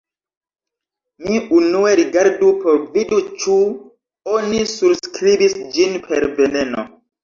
Mi unue rigardu por vidi ĉu oni surskribis ĝin per 'veneno.'